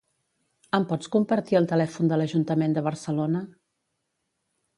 Em pots compartir el telèfon de l'Ajuntament de Barcelona?